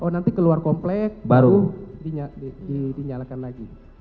oh nanti keluar komplek baru dinyalakan lagi